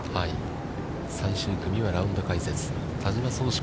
最終組は、ラウンド解説、田島創志